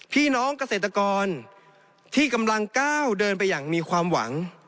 พี่น้องเกษตรกรที่กำลังก้าวเดินไปอย่างมีความหวัง